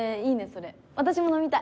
それ私も飲みたい。